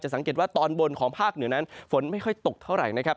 สังเกตว่าตอนบนของภาคเหนือนั้นฝนไม่ค่อยตกเท่าไหร่นะครับ